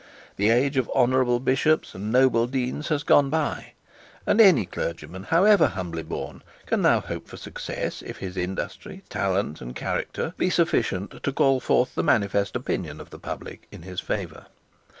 The age of honourable bishops and noble deans has gone by; and any clergyman however humbly born can now hope for success, if his industry, talent, and character, be sufficient to call forth the manifest opinion of the public in his favour.